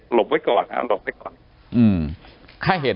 หลบไว้ก่อนหลบไว้ก่อน